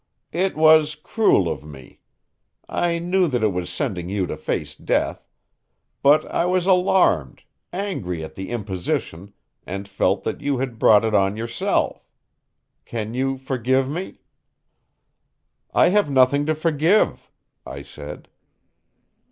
"It was cruel of me. I knew that it was sending you to face death. But I was alarmed, angry at the imposition, and felt that you had brought it on yourself. Can you forgive me?" "I have nothing to forgive," I said.